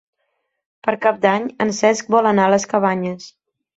Per Cap d'Any en Cesc vol anar a les Cabanyes.